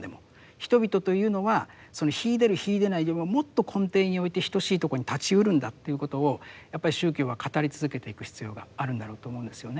人々というのは秀でる秀でないよりももっと根底において等しいとこに立ちうるんだということをやっぱり宗教は語り続けていく必要があるんだろうと思うんですよね。